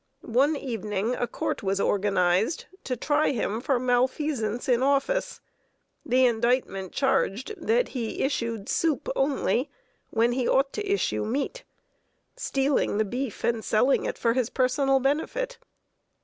One evening a court was organized to try him for "malfeasance in office." The indictment charged that he issued soup only when he ought to issue meat stealing the beef and selling it for his personal benefit.